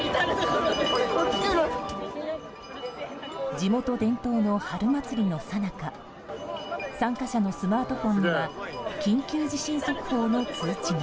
地元伝統の春祭りのさなか参加者のスマートフォンには緊急地震速報の通知が。